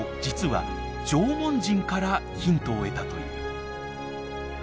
実は縄文人からヒントを得たという。